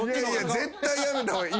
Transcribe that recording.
絶対やめた方がいい。